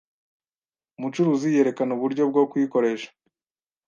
Umucuruzi yerekanye uburyo bwo kuyikoresha.